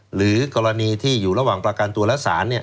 หรือกรณีที่อยู่ระหว่างประกันตัวและศาล